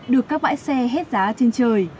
được các bãi xe hết giá trên trời